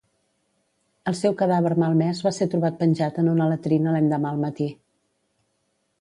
El seu cadàver malmès va ser trobat penjat en una latrina l'endemà al matí.